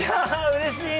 うれしい。